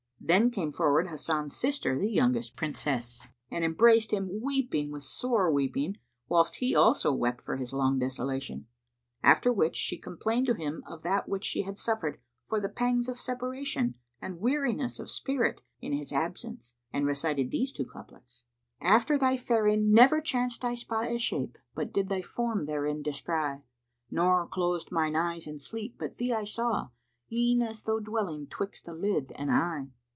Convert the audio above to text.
Then came forward Hasan's sister, the youngest Princess, and embraced him, weeping with sore weeping, whilst he also wept for his long desolation: after which she complained to him of that which she had suffered for the pangs of separation and weariness of spirit in his absence and recited these two couplets, "After thy faring never chanced I 'spy * A shape, but did thy form therein descry: Nor closed mine eyes in sleep but thee I saw, * E'en as though dwelling 'twixt the lid and eye."